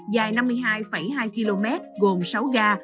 dài năm mươi hai hai km gồm sáu ga